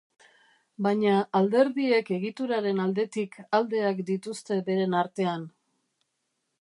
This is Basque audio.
Baina alderdiek egituraren aldetik aldeak dituzte beren artean.